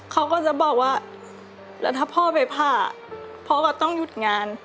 เขาก็จะบอกว่าแล้วถ้าพ่อไปผ่าพ่อก็ต้องหยุดงาน